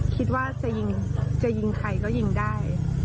คิดว่าจะยิงใครก็ยิงได้